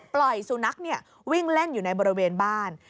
ปล่อยสุนัขวิ่งเล่นอยู่ในบริเวณบ้าน